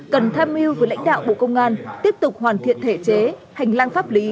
cần tham mưu với lãnh đạo bộ công an tiếp tục hoàn thiện thể chế hành lang pháp lý